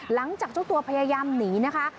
หลังจากชุกตัวนยังพยายามหนีนะคะ